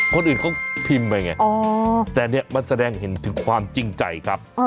คนอื่นเค้าพิมพ์ไม่ไงแต่มันแสดงให้คิดถึงความจริงใจครับ